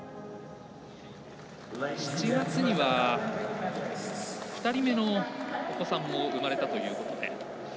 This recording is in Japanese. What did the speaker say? ７月には２人目のお子さんも生まれたということで。